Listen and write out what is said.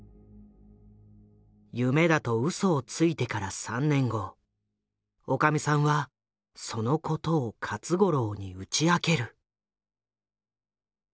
「夢だ」とうそをついてから３年後おかみさんはそのことを勝五郎に打ち明ける。